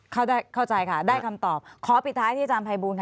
เข้าใจค่ะได้คำตอบขอปิดท้ายที่อาจารย์ภัยบูลค่ะ